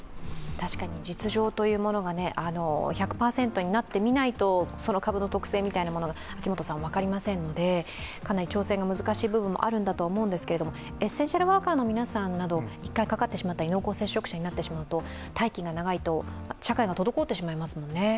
確かに実情というものが１００％になってみないとその株の特性みたいなものが分かりませんので、かなり調整が難しい部分もあるんだと思うんですけれども、エッセンシャルワーカーの皆さんなど１回かかってしまったり濃厚接触者になってしまうと待機が長いと社会が滞ってしまいますものね。